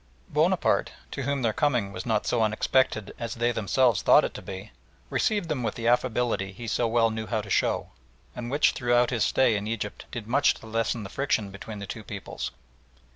Bonaparte, to whom their coming was not so unexpected as they themselves thought it to be, received them with the affability he so well knew how to show, and which throughout his stay in Egypt did much to lessen the friction between the two peoples.